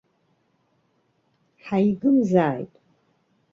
Ҳаигымзааит!